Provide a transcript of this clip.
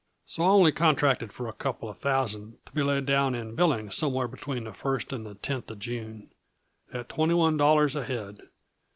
So I only contracted for a couple uh thousand to be laid down in Billings somewhere between the first and the tenth of June, at twenty one dollars a head.